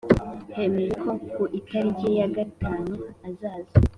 Hemejwe ko ku itariki ya gatanu azaza